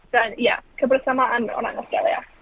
dan ya kebersamaan orang australia